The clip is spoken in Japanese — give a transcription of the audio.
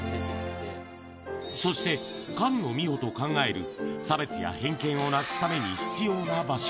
そして菅野美穂と考える差別や偏見をなくすために必要な場所。